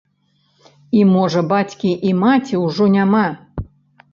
І можа бацькі і маці ўжо няма.